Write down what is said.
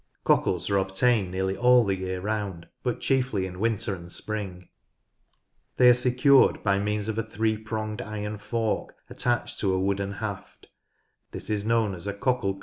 Cockles are obtained nearly all the year round, but chiefly in winter and spring. They are secured by means of a three pronged iron fork attached to a wooden haft : this is known as a " cockle craam."